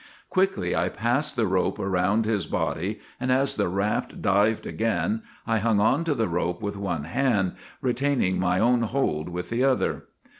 " Quickly I passed the rope around his body, and as the raft dived again I hung on to the rope with one hand, retaining my own hold with the other.